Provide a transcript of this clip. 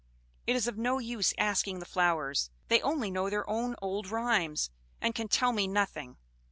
It is of no use asking the flowers; they only know their own old rhymes, and can tell me nothing."